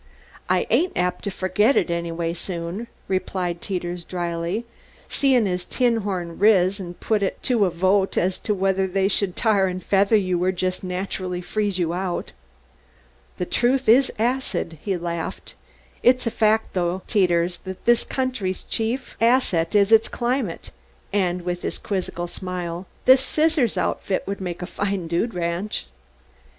"I ain't apt to fergit it anyways soon," replied Teeters, dryly, "seein' as 'Tinhorn' riz and put it to a vote as to whether they should tar and feather you or jest naturally freeze you out." "The truth is acid," he laughed. "It's a fact though, Teeters, that this country's chief asset is its climate, and," with his quizzical smile, "this Scissor Outfit would make a fine dude ranch."